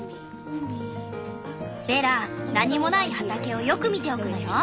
ベラ何もない畑をよく見ておくのよ。